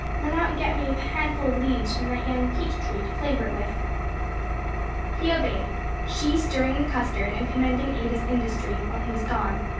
Run out and get me a handful of leaves from that young peach tree, to flavor it with." He obeyed, she stirring the custard and commending Ada's industry, while he was gone.